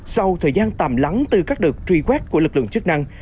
sau thời gian tạm lắng từ các đợt truy quét của lực lượng chức năng